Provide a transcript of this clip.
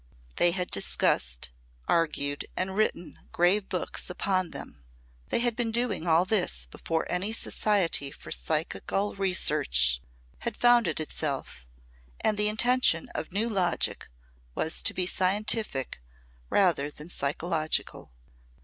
They had discussed, argued and written grave books upon them. They had been doing all this before any society for psychical research had founded itself and the intention of new logic was to be scientific rather than psychological.